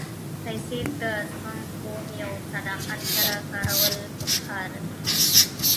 پېسې د زغم، پوهې او صداقت سره کارول پکار دي.